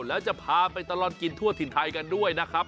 แล้วจะพาไปตลอดกินทั่วถิ่นไทยกันด้วยนะครับ